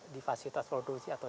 di fasilitas produksi atau